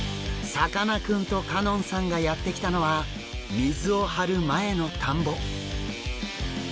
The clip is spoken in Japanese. さかなクンと香音さんがやって来たのは水を張る前の田んぼ。